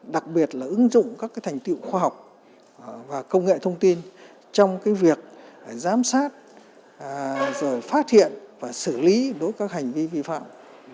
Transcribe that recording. đặc biệt là ứng dụng các thành tiệu khoa học và công nghệ thông tin trong việc giám sát rồi phát hiện và xử lý đối với các hành vi vi phạm